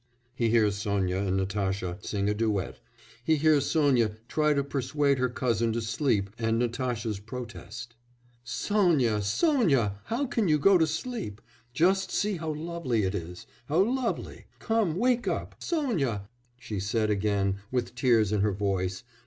He hears Sonya and Natasha sing a duet, he hears Sonya try to persuade her cousin to sleep and Natasha's protest: "Sonya! Sonya! How can you go to sleep? Just see how lovely it is! How lovely! Come wake up, Sonya," she said again with, tears in her voice.